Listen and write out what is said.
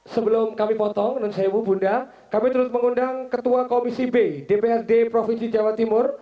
sebelum kami potong dan saya ibu bunda kami terus mengundang ketua komisi b dprd provinsi jawa timur